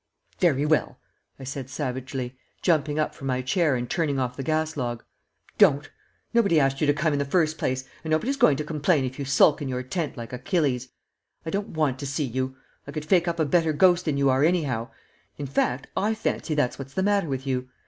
"Very well," I said, savagely, jumping up from my chair and turning off the gas log. "Don't! Nobody asked you to come in the first place, and nobody's going to complain if you sulk in your tent like Achilles. I don't want to see you. I could fake up a better ghost than you are anyhow in fact, I fancy that's what's the matter with you.